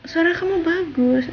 suara kamu bagus